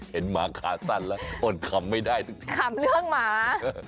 หมาขาสั้นแล้วอดคำไม่ได้จริงคำเรื่องหมา